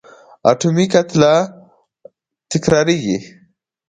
اتومي کتله تکرارېږي.